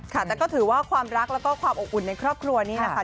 ค่ะแต่ก็ถือว่าความรักแล้วก็ความอบอุ่นในครอบครัวนี้นะคะ